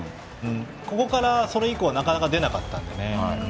ここからそれ以降はなかなか出なかったので。